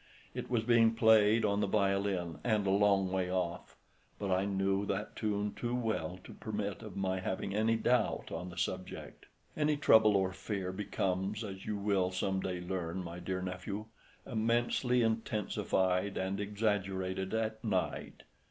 It was being played on the violin, and a long way off, but I knew that tune too well to permit of my having any doubt on the subject. Any trouble or fear becomes, as you will some day learn, my dear nephew, immensely intensified and exaggerated at night.